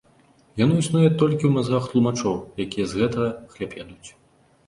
Яно існуе толькі ў мазгах тлумачоў, якія з гэтага, хлеб ядуць.